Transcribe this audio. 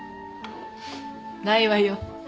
ないわよ。